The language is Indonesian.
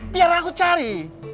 biar aku cari